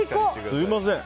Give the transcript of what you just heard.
すみません。